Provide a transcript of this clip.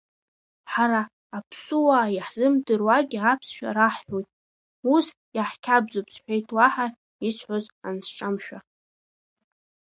Ҳара аԥсуаа иаҳзымдыруагьы аԥсшәа раҳҳәоит, ус иаҳқьабзуп, — сҳәеит, уаҳа исҳәоз ансҿамшәа.